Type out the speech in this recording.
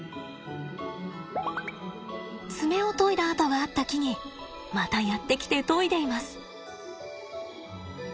爪をといだ跡があった木にまたやって来てといでいます。